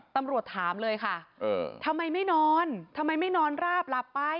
ตำรวจถามเลยค่ะทำไมไม่นอนทำไมไม่นอนราบหลับไป